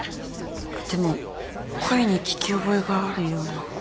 でも声に聞き覚えがあるような。